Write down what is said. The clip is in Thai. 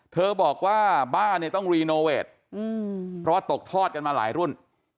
เธอบอกว่าบ้านเนี่ยต้องรีโนเวทเพราะตกทอดกันมาหลายรุ่น